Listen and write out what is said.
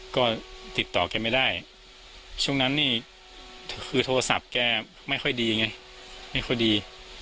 ก็ติดต่อแกไม่ได้ช่วงนั้นนี่คือโทรศัพท์แกไม่ค่อยดีไงไม่ค่อยดี